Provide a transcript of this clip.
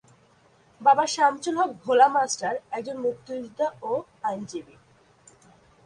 বাবা শামসুল হক ভোলা মাস্টার একজন মুক্তিযোদ্ধা ও আইনজীবী।